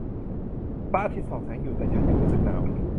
พระอาทิตย์ส่องแสงอยู่ แต่ฉันก็ยังรู้สึกหนาว